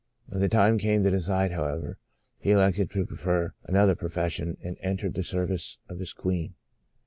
When the time came to decide, however, he elected to prefer another profession and entered the service of his queen.